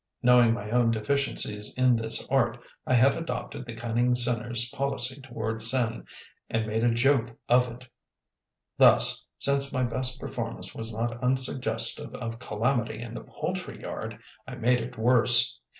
Knowing my own deficiencies in this art, I had adopted the cunning sinner's policy toward sin and made a joke of it: thus, since my best performance was not unsuggestive of calamity in the poultry yard, I made it worse.